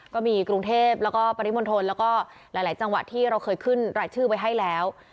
กรุงเทพแล้วก็ปริมณฑลแล้วก็หลายจังหวัดที่เราเคยขึ้นรายชื่อไว้ให้แล้ว